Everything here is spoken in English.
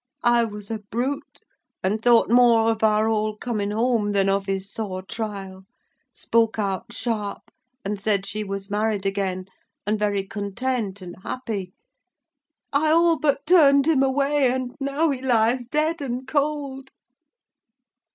I was a brute, and thought more of our all coming home than of his sore trial: spoke out sharp, and said she was married again, and very content and happy: I all but turned him away: and now he lies dead and cold!"